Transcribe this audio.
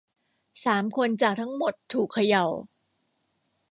สามคนจากทั้งหมดถูกเขย่า